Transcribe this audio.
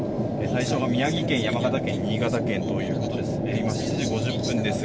対象が宮城県、山形県新潟県ということです。